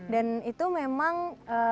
dan itu memang suatu kearifan lokal gitu